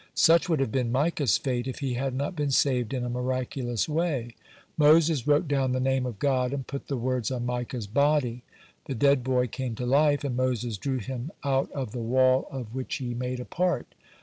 Such would have been Micah's fate, if he had not been saved in a miraculous way. Moses wrote down the Name of God, and put the words on Micah's body. The dead boy came to life, and Moses drew him out of the wall of which he made a part.